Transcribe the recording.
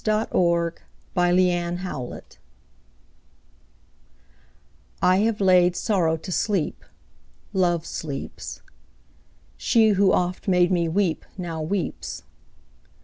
Arthur Symons Love and Sleep I HAVE laid sorrow to sleep; Love sleeps. She who oft made me weep Now weeps.